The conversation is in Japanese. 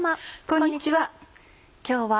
こんにちは。